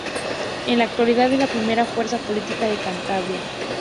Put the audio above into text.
En la actualidad es la primera fuerza política de Cantabria.